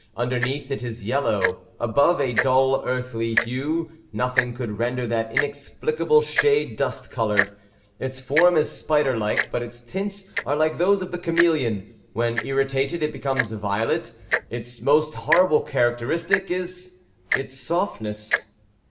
Underneath it is yellow; above a dull, earthy hue; nothing could render that inexplicable shade dust colored. Its form is spider like, but its tints are like those of the chameleon. When irritated, it becomes violet. Its most horrible characteristic is its softness.